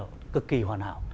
nó cực kỳ hoàn hảo